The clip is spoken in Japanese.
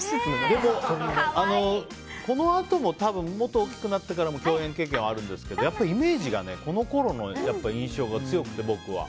でも、このあとも多分もっと大きくなってからも共演経験はあるんですけどやっぱりイメージがねこのころの印象が強くて、僕は。